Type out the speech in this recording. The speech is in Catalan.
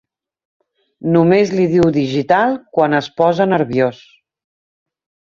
Només li diu digital quan es posa nerviós.